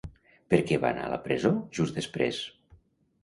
Per què va anar a la presó just després?